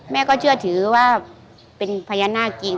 แม่ก็เชื่อถือว่าเป็นพญานาคจริง